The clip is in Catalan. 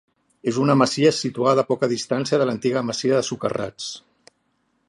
És una masia situada a poca distància de l'antiga masia de Socarrats.